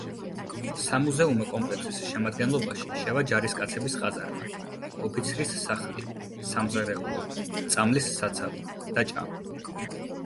სამუზეუმო კომპლექსის შემადგენლობაში შევა ჯარისკაცების ყაზარმა, ოფიცრის სახლი, სამზარეულო, წამლის საცავი და ჭა.